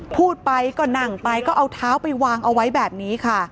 พูดไปก็นั่งไปก็เอาเท้าไปวางเอาไว้แบบนี้ค่ะ